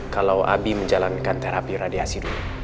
kalau abi menjalankan terapi radiasi